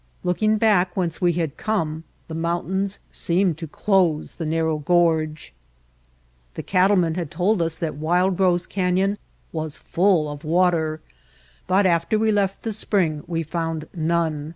Looking back whence we had come the mountains seemed to close the narrow gorge. The High White Peaks The cattlemen had told us that Wild Rose Canyon was full of water, but after we left the spring we found none.